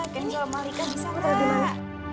kencol malikan di sana